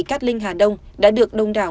cát linh hà đông đã được đông đảo